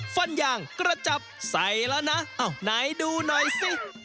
ฟันยางกระจับใส่แล้วนะอ้าวไหนดูหน่อยสิ